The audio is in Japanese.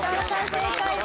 正解です。